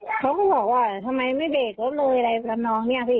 เขาก็บอกว่าทำไมไม่เบรกรถเลยอะไรทำนองเนี่ยพี่